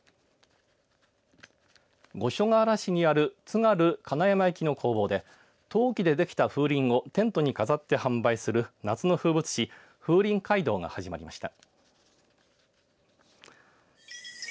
五所川原市にある津軽金山焼の工房で陶器できた風鈴をテントに飾って販売する夏の風物詩風鈴街道が始まりました。